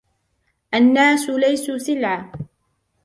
الناس ليسوا سلعة.